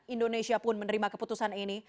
indonesia pun menerima keputusan ini